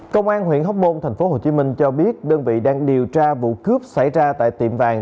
công an huyện hóc môn tp hcm cho biết đơn vị đang điều tra vụ cướp xảy ra tại tiệm vàng